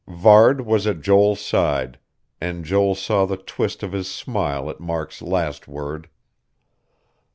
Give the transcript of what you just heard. Varde was at Joel's side; and Joel saw the twist of his smile at Mark's last word.